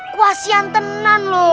kwasian tenang loh